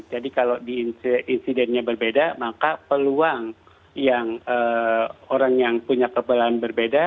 jadi kalau insidennya berbeda maka peluang yang orang yang punya kekebalan berbeda